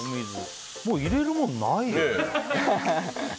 もう入れるものないよ。